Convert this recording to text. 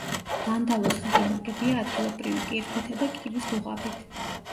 დანდალოს ხიდი ნაგებია ადგილობრივი კირქვითა და კირის დუღაბით.